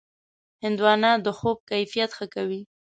هندوانه د خوب کیفیت ښه کوي.